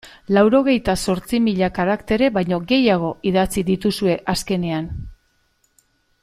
Laurogeita zortzi mila karaktere baino gehiago idatzi dituzue azkenean.